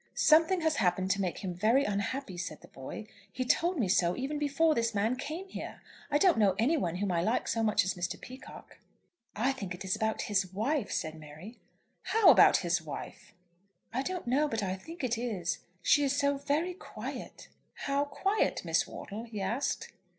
"Something has happened to make him very unhappy," said the boy. "He told me so even before this man came here. I don't know any one whom I like so much as Mr. Peacocke." "I think it is about his wife," said Mary. "How about his wife?" "I don't know, but I think it is. She is so very quiet." "How quiet, Miss Wortle?" he asked.